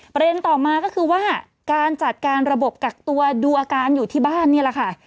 ประเด็นต่อมาก็คือว่าการจัดการระบบกักตัวดูอาการอยู่ที่บ้านนี่แหละค่ะ